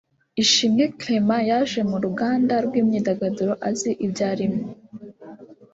Ishimwe Clement yaje mu ruganda rw’imyidagaduro azi ibyo arimo